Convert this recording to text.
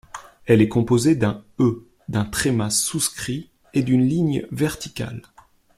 Elle est composée d’un E, d’un tréma souscrit et d’une ligne verticale.